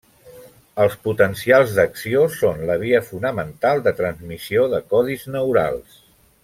Els potencials d'acció són la via fonamental de transmissió de codis neurals.